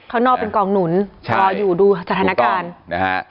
ข้างนอกเป็นกองหนุนรออยู่ดูสถานการณ์นะฮะ